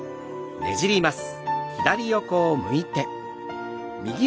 ねじります。